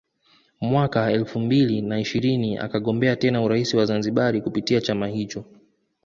Mwaka elfu mbili na ishirini akagombea tena urais wa Zanzibari kupitia chama hicho